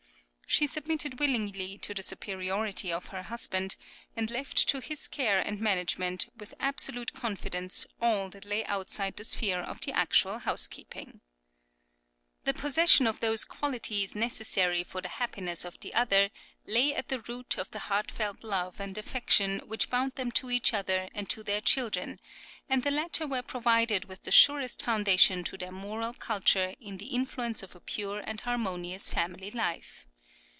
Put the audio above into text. She submitted willingly to the superiority of her husband, and left to his care and management with absolute confidence all that lay outside the sphere of the actual housekeeping. The possession by {WOLFGANG'S MOTHER AND SISTER HIS BIRTH.} (19) each of those qualities necessary for the happiness of the other lay at the root of the heartfelt love and affection which bound them to each other and to their children, and the latter were provided with the surest foundation for their moral culture in the influence of a pure and harmonious family life.